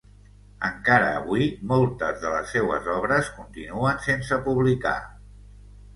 Encara avui moltes de les seues obres continuen sense publicar.